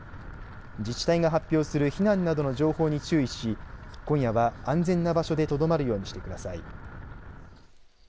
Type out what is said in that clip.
自治体が発表する避難などの情報に注意し今夜は安全な場所でとどまるようにしてください。